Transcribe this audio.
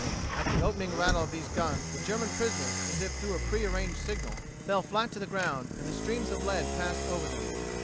At the opening rattle of these guns the German prisoners as if through a prearranged signal, fell flat to the ground, and the streams of lead passed over them.